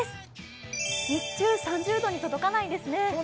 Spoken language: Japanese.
日中３０度に届かないんですよね。